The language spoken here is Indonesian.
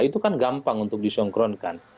itu kan gampang untuk disonkronkan